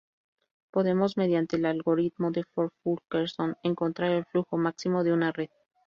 Podemos, mediante el Algoritmo de Ford-Fulkerson, encontrar el flujo máximo de una red.